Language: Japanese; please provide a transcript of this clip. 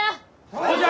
そうじゃ！